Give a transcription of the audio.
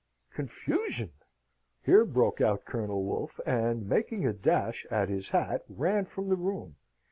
"Confusion!" here broke out Colonel Wolfe, and making a dash at his hat, ran from the room.